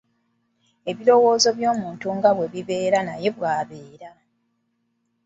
Ebirowoozo by'omuntu nga bwe bibeera naye bw'abeera.